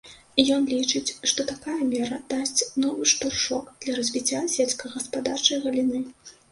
Ён лічыць, што такая мера дасць новы штуршок для развіцця сельскагаспадарчай галіны.